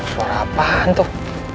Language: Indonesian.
suara apaan tuh